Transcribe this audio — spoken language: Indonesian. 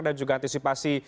dan juga antisipasi